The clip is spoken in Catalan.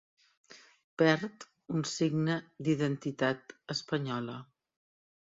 Perd un signe d'identitat espanyola.